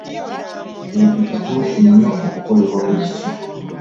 Ekyo kituufu nnyo okukolebwa kityo.